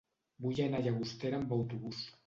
Vull anar a Llagostera amb autobús.